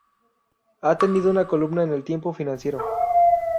Ha tenido una columna en el Tiempo Financiero.